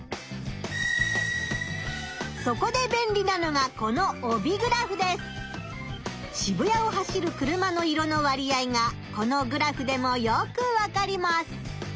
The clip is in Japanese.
そこでべんりなのがこの渋谷を走る車の色の割合がこのグラフでもよくわかります。